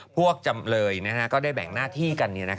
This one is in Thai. จำเลยก็ได้แบ่งหน้าที่กัน